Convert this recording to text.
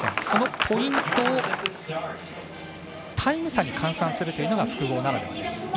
そのポイントをタイム差に換算するというのが複合ならではです。